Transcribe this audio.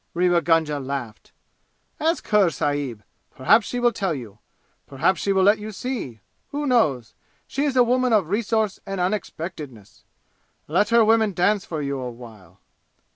Rewa Gunga laughed. "Ask her, sahib! Perhaps she will tell you! Perhaps she will let you see! Who knows? She is a woman of resource and unexpectedness Let her women dance for you a while."